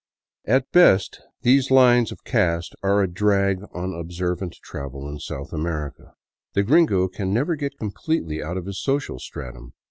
At best these lines of caste are a drag on observant travel in South America. The " gringo '* can never get completely out of his social stratum.